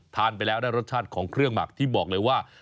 ทานไปแล้วได้รสชาติของเครื่องหมักที่บอกเลยว่า